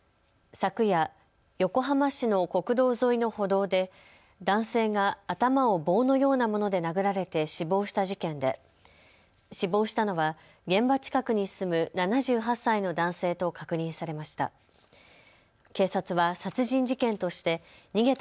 昨夜、横浜市の国道沿いの歩道で男性が頭を棒のようなもので殴られて死亡した事件で死亡したのは現場近くに住む７８歳の男性と確認されました。